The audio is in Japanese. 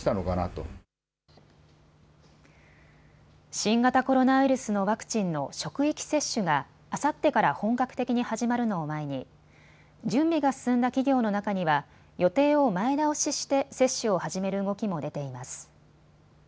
新型コロナウイルスのワクチンの職域接種があさってから本格的に始まるのを前に準備が進んだ企業の中には予定を前倒しして接種を始める動きも出ています。